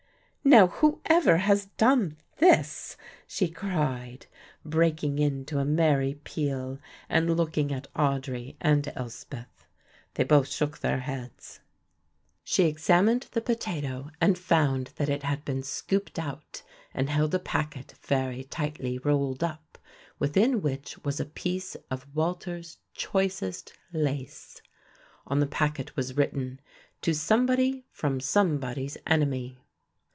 "Now, whoever has done this?" she cried, breaking into a merry peal and looking at Audry and Elspeth. They both shook their heads. She examined the potato and found that it had been scooped out and held a packet very tightly rolled up, within which was a piece of Walter's choicest lace. On the packet was written, "To Somebody from Somebody's enemy."